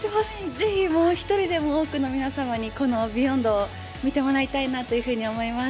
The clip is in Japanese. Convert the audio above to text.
是非、１人でも多くの皆様にこの「ＢＥＹＯＮＤ」を見てもらいたいなと思います。